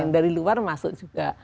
dari luar masuk juga